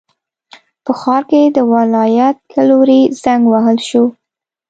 په ښار کې د ولایت له لوري زنګ ووهل شو.